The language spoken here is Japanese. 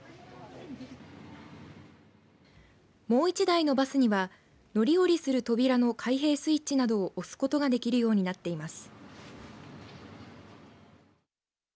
もう１台のバスには乗り降りする扉の開閉スイッチなどを押すことができるようになっています。